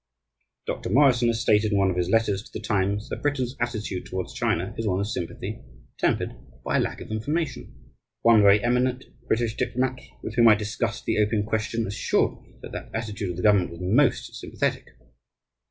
Dr. Morrison has stated in one of his letters to the Times that Britain's attitude towards China is one of sympathy, tempered by a lack of information. One very eminent British diplomat with whom I discussed the opium question assured me that that attitude of his government was "most sympathetic."